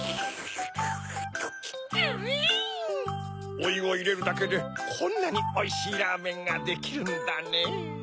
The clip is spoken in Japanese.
おゆをいれるだけでこんなにおいしいラーメンができるんだねぇ。